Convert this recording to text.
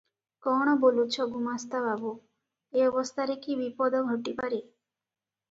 କଣ ବୋଲୁଛ ଗୁମାସ୍ତା ବାବୁ, ଏ ଅବସ୍ଥାରେ କି ବିପଦ ଘଟି ପାରେ?